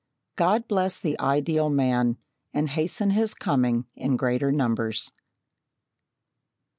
God bless the ideal man and hasten his coming in greater numbers.